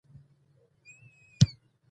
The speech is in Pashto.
ما ويل اوس به غر راباندې چپه سي.